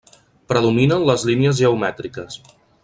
Predominen les línies geomètriques.